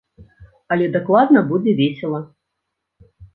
Але дакладна будзе весела.